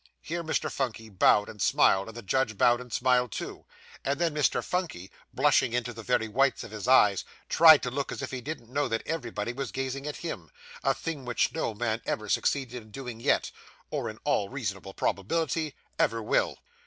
Here Mr. Phunky bowed and smiled, and the judge bowed and smiled too, and then Mr. Phunky, blushing into the very whites of his eyes, tried to look as if he didn't know that everybody was gazing at him, a thing which no man ever succeeded in doing yet, or in all reasonable probability, ever will.